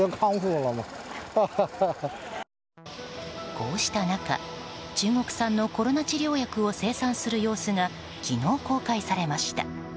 こうした中、中国産のコロナ治療薬を生産する様子が昨日、公開されました。